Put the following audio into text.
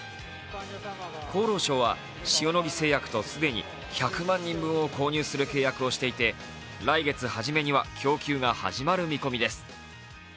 厚労省は、塩野義製薬と既に１００万人分を購入する契約をしていて来月初めには供給が始まる見込みです。